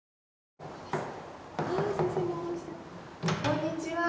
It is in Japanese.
こんにちは。